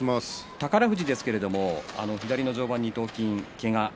宝富士ですけれども左の上腕二頭筋のけが